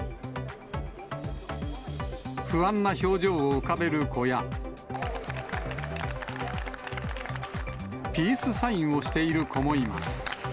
不安な表情を浮かべる子や、ピースサインをしている子もいます。